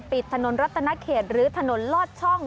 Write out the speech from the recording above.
ถนนรัตนเขตหรือถนนลอดช่อง